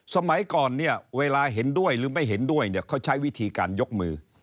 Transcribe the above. สมัยก่อนเนี่ยเวลาเห็นด้วยหรือไม่เห็นด้วยเนี่ยเขาใช้วิธีการยกมือ